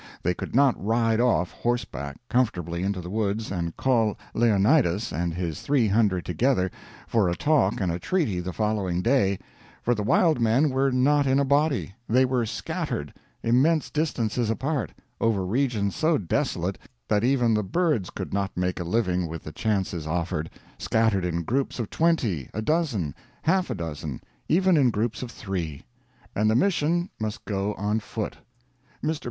They could not ride off, horseback, comfortably into the woods and call Leonidas and his 300 together for a talk and a treaty the following day; for the wild men were not in a body; they were scattered, immense distances apart, over regions so desolate that even the birds could not make a living with the chances offered scattered in groups of twenty, a dozen, half a dozen, even in groups of three. And the mission must go on foot. Mr.